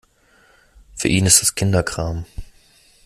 Für ihn ist das Kinderkram.